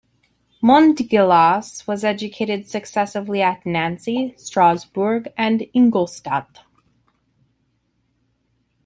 Montgelas was educated successively at Nancy, Strasbourg, and Ingolstadt.